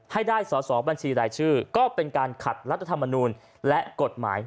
ให้ได้สอสอบัญชีรายชื่อก็เป็นการขัดรัฐธรรมนูลและกฎหมาย